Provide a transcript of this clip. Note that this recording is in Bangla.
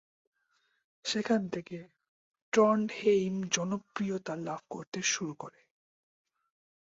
সেখান থেকে ট্রন্ডহেইম জনপ্রিয়তা লাভ করতে শুরু করে।